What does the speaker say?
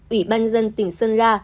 ủy ban dân tỉnh sơn la